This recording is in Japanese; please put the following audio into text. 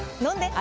あ